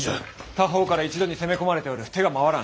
多方から一度に攻め込まれておる手が回らぬ！